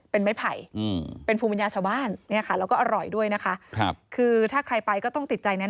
เป็นไม้ไผ่เป็นภูมิญาชาวบ้าน